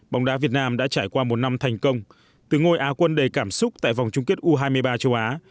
bóng đá việt nam đã trải qua một năm thành công từ ngôi a quân đầy cảm xúc tại vòng chung kết u hai mươi ba châu á